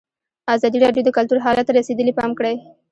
ازادي راډیو د کلتور حالت ته رسېدلي پام کړی.